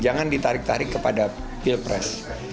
jangan ditarik tarik kepada pilpres